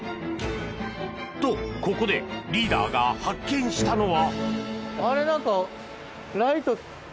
と、ここでリーダーが発見したのは。